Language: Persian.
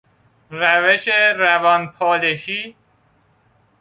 روش روانپالشی